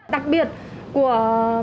đặc biệt của